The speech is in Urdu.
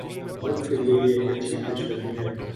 ملک کیلئے یہ ایک اچھی پیش قدمی ہے۔